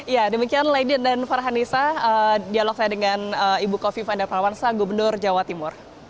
ya demikian lady dan farhanisa dialog saya dengan ibu kofifa indar parawansa gubernur jawa timur